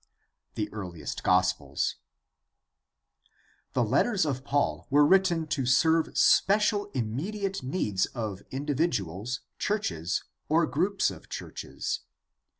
The earliest gospels. — ^The letters of Paul were written to serve special immediate needs of individuals, churches, or groups of churches.